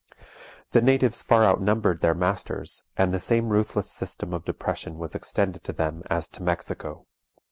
The natives far outnumbered their masters, and the same ruthless system of depression was extended to them as to Mexico.